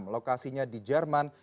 lokasinya di jerman